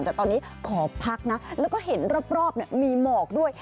แต่ตอนนี้ขอพักนะแล้วก็เห็นรอบมีหมอกด้วย